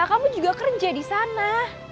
kamu juga kerja di sana